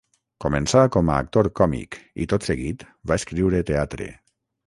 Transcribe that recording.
Començà com a actor còmic i tot seguit va escriure teatre.